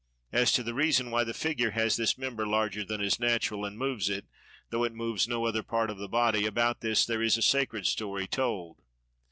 As to the reason why the figure has this member larger than is natural and moves it, though it moves no other part of the body, about this there is a sacred story told.